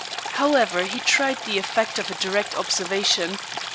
However, he tried the effect of a direct observation.